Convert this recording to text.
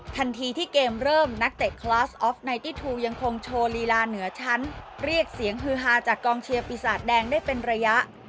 ทันทีที่เกมเริ่มนักเตะคลาสออฟไนตี้ทูยังคงโชว์ลีลาเหนือชั้นเรียกเสียงฮือฮาจากกองเชียร์ปีศาจแดงได้เป็นระยะ